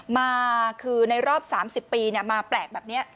มาคือในรอบ๓๐ปีมาแปลกแบบนี้